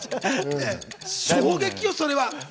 衝撃よ、それは。